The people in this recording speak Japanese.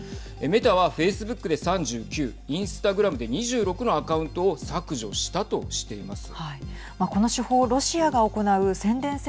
メタはフェイスブックで３９インスタグラムで２６のアカウントを削除したとしています。